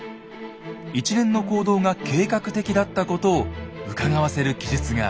一連の行動が計画的だったことをうかがわせる記述があります。